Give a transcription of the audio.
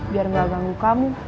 biar gak ganggu kamu